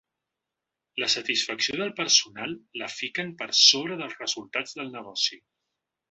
La satisfacció del personal la fiquen per sobre dels resultats del negoci.